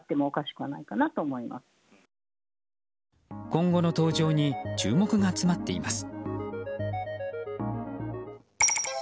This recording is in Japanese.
今後の登場に注目が集まっています。